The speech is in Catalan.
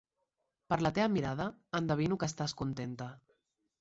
Per la teva mirada, endevino que estàs contenta.